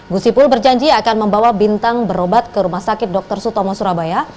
gusipul berjanji akan membawa bintang berobat ke rumah sakit dr sutomo surabaya